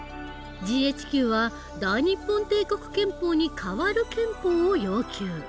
ＧＨＱは大日本帝国憲法に代わる憲法を要求。